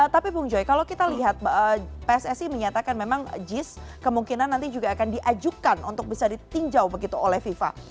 tapi bung joy kalau kita lihat pssi menyatakan memang jis kemungkinan nanti juga akan diajukan untuk bisa ditinjau begitu oleh fifa